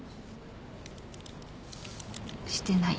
してない。